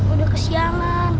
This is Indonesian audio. ah aku udah kesianan